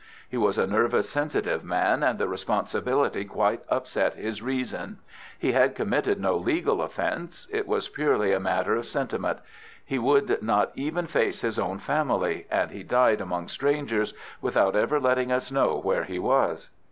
He was a nervous, sensitive man, and the responsibility quite upset his reason. He had committed no legal offence. It was purely a matter of sentiment. He would not even face his own family, and he died among strangers without ever letting us know where he was."